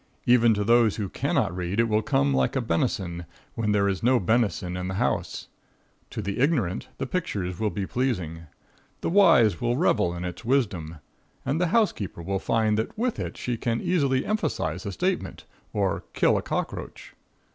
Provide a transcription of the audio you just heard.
Even to those who cannot read, it will come like a benison when there is no benison in the house. To the ignorant, the pictures will be pleasing. The wise will revel in its wisdom, and the housekeeper will find that with it she may easily emphasize a statement or kill a cockroach.